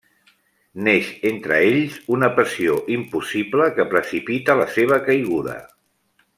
Neix entre ells una passió impossible, que precipita la seva caiguda.